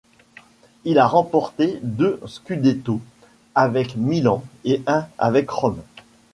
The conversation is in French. Il a remporté deux scudetto avec Milan et un avec Rome.